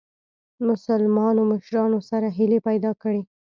مسلمانو مشرانو سره هیلي پیدا کړې.